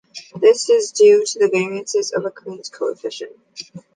This is due to the variances in Okun's coefficient.